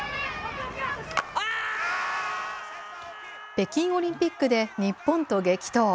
北京オリンピックで日本と激闘。